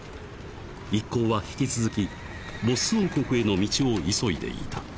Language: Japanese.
［一行は引き続きボッス王国への道を急いでいた］